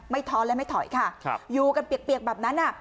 ไม่ท้อแล้วไม่ถอยค่ะครับอยู่กันเปียกเปียกแบบนั้นอ่ะ